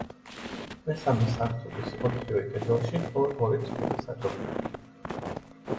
მესამე სართულის ოთხივე კედელში ორ-ორი წყვილი სათოფურია.